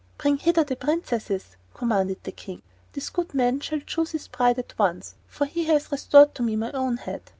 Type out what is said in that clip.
"Bring hither the princesses," commanded the King. "This good man shall choose his bride at once, for he has restored to me my own head."